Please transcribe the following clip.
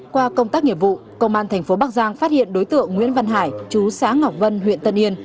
qua công tác nghiệp vụ công an thành phố bắc giang phát hiện đối tượng nguyễn văn hải chú xã ngọc vân huyện tân yên